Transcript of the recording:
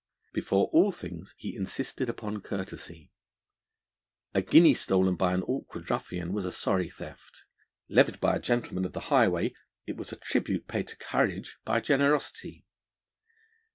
Before all things he insisted upon courtesy; a guinea stolen by an awkward ruffian was a sorry theft; levied by a gentleman of the highway, it was a tribute paid to courage by generosity.